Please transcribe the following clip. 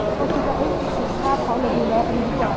แล้วก็คิดว่าเฮ้ยสิ่งภาพเขาเรียกดีแล้วกันดีกว่านะ